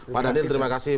pak lanyala terima kasih